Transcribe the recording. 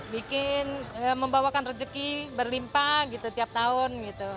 bikin membawakan rejeki berlimpah gitu tiap tahun gitu